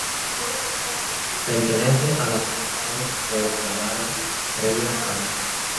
Pertenece a la Asociación de Escritores de Álava Krelia.a.